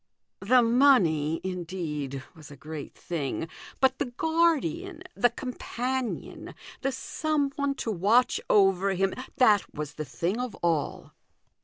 The money, indeed, was a great thing, but the guardian, the companion, the some one to watch over him, that was the thing of all.